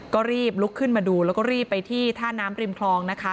ก็รีบลุกขึ้นมาดูแล้วก็รีบไปที่ท่าน้ำริมคลองนะคะ